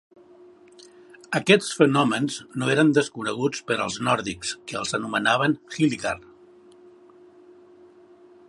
Aquests fenòmens no eren desconeguts per als nòrdics, que els anomenaven "hillingar".